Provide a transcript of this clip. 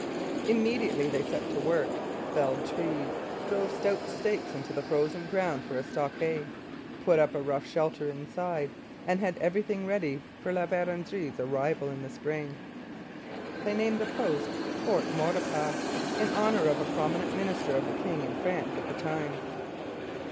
Immediately they set to work, felled trees, drove stout stakes into the frozen ground for a stockade, put up a rough shelter inside, and had everything ready for La Vérendrye's arrival in the spring. They named the post Fort Maurepas, in honour of a prominent minister of the king in France at the time.